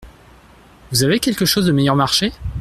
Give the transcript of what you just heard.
Vous avez quelque chose de meilleur marché ?